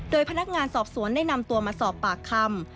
โดยพนักงานสอบสวนได้นำตัวมาสอบปากคำ